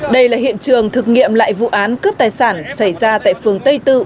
đây là hiện trường thực nghiệm lại vụ án cướp tài sản chảy ra tại phường tây tư